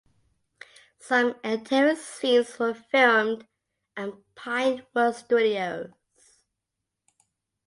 Some interior scenes were filmed at Pinewood Studios.